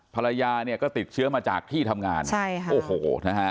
ภรรยาก็ติดเชื้อมาจากที่ทำงานโอ้โหนะฮะ